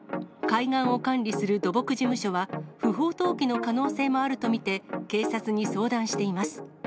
海岸を管理する土木事務所は、不法投棄の可能性もあると見て、警察に相談しています。